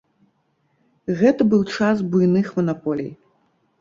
Гэта быў час буйных манаполій.